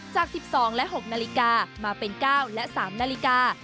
จาก๑๒และ๖นาฬิกามาเป็น๙และ๓นาฬิกา